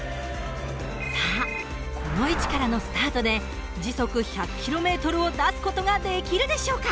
さあこの位置からのスタートで時速１００ｋｍを出す事ができるでしょうか？